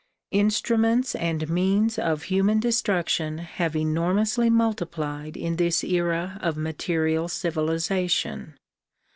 Instruments and means of human destruction have enormously multiplied in this era of material civilization.